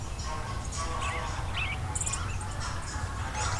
که داسي نه وي، نو پلار او مور اړيکي ورسره شکوي.